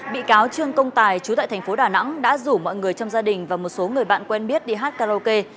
bị cáo trương công tài chú tại thành phố đà nẵng đã rủ mọi người trong gia đình và một số người bạn quen biết đi hát karaoke